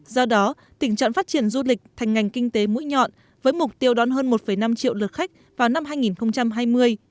do đó tỉnh chọn phát triển du lịch thành ngành kinh tế mũi nhọn với mục tiêu đón hơn một năm triệu lượt khách vào năm hai nghìn hai mươi